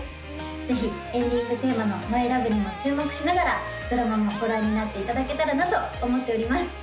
ぜひエンディングテーマの「マイラブ」にも注目しながらドラマもご覧になっていただけたらなと思っております